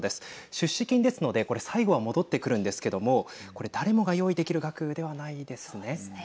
出資金ですので、これ最後は戻ってくるんですけれどもこれ、誰もが用意できる額ではないですね。